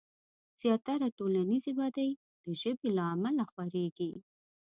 زياتره ټولنيزې بدۍ د ژبې له امله خورېږي.